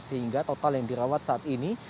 sehingga total yang dirawat saat ini